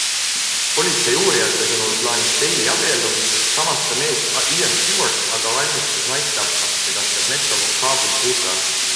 Politseiuurijate sõnul plaanis Bailey abiellumist, samas ta mees Ian Stewart aga valmistus naist tapma, edastab metro.co.uk.